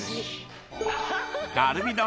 カルビ丼。